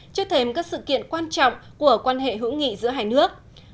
trước thêm các sự kiện quan trọng của quan hệ hữu nghị giữa hai nước